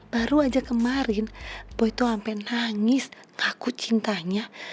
baru aja kemarin boy tuh sampe nangis ngaku cintanya